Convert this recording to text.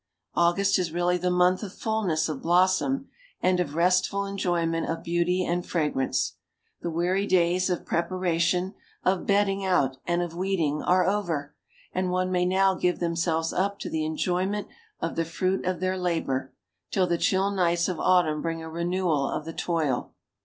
August is really the month of fullness of blossom, and of restful enjoyment of beauty and fragrance. The weary days of preparation, of bedding out and of weeding, are over, and one may now give themselves up to the enjoyment of the fruit of their labor, till the chill nights of autumn bring a renewal of the toil.